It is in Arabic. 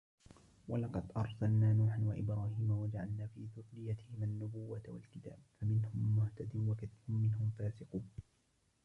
ولقد أرسلنا نوحا وإبراهيم وجعلنا في ذريتهما النبوة والكتاب فمنهم مهتد وكثير منهم فاسقون